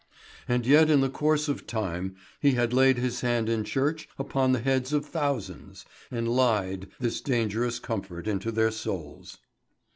And yet in the course of time he had laid his hand in church upon the heads of thousands, and lied this dangerous comfort into their souls.